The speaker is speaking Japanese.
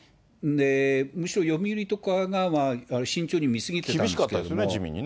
むしろ読売とかが慎重に見過ぎてたんですけれども。